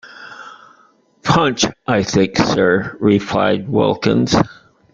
‘Punch, I think, sir,’ replied Wilkins.